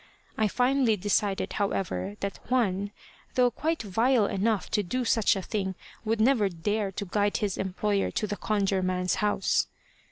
I finally decided, however, that Juan, though quite vile enough to do such a thing, would never dare to guide his employer to the Conjure man's house.